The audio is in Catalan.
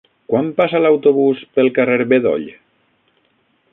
Quan passa l'autobús pel carrer Bedoll?